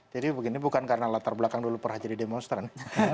jadi begini bukan karena latar belakang dulu pernah jadi demonstran